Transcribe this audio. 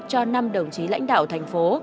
cho năm đồng chí lãnh đạo thành phố